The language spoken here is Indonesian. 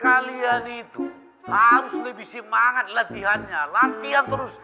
kalian itu harus lebih semangat latihannya latihan terus